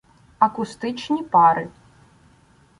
Акустичні пари